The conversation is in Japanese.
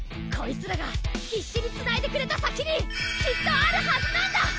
こいつらが必死につないでくれた先にきっとあるはずなんだ！